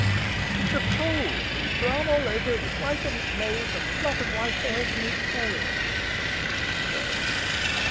"It's a foal. It's brown all over with white on its nose, and a lot of white hairs in its tail." "No."